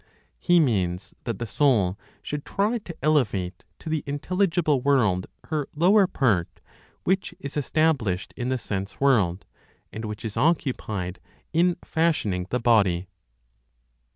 He means that the soul should try to elevate to the intelligible world her lower part which is established in the sense world, and which is occupied in fashioning the body.